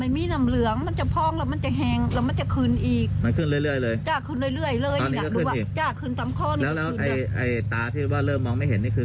คือตาที่ว่าเริ่มมองไม่เห็นนี่คือ